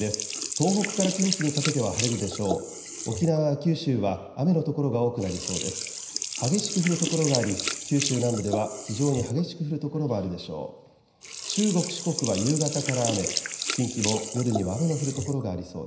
東北から近畿にかけては晴れるでしょう。